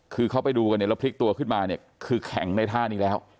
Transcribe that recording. คือเขาไปดูกันเนี่ยแล้วพลิกตัวขึ้นมาเนี่ยคือแข็งในท่านี้แล้ว